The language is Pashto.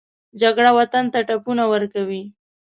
جګړه وطن ته ټپونه ورکوي